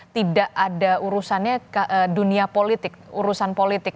tidak ada urusannya ke dunia politik urusan politik